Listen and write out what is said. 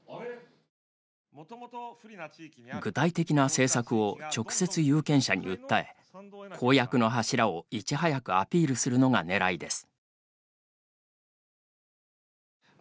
具体的な政策を直接有権者に訴え公約の柱をいち早くアピールするのがねらいです。